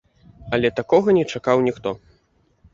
Але такога не чакаў ніхто.